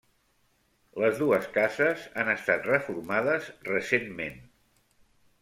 Les dues cases han estat reformades recentment.